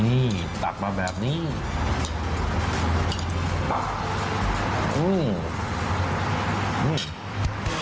นี่ตักมาแบบนี้นะ